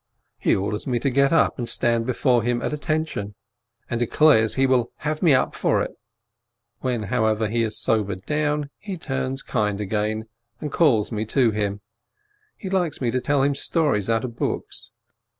MILITARY SERVICE 291 He orders me to get up and stand before him "at attention/' and declares he will "have me up" for it. When, however, he has sobered down, he turns kind again, and calls me to him; he likes me to tell him "stories" out of books.